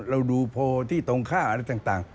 เราดูโพลที่ตรงค่าอะไรต่าง